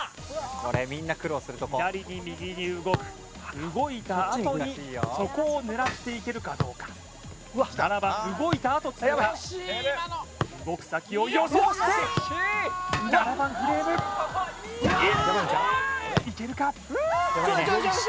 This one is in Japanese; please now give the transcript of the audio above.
これみんな苦労するとこ左に右に動く動いたあとにそこを狙っていけるかどうかうわっヤバい７番動いたあと通過動く先を予想して７番フレームいけるか？